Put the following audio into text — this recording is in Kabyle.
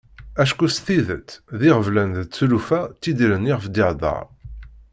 Acku s tidet d iɣeblan d tlufa ttidiren iɣef d-iheddeṛ.